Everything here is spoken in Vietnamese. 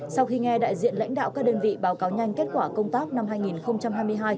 sau khi nghe đại diện lãnh đạo các đơn vị báo cáo nhanh kết quả công tác năm hai nghìn hai mươi hai